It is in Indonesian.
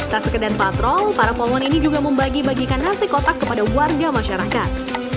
tak sekedar patrol para pohon ini juga membagi bagikan nasi kotak kepada warga masyarakat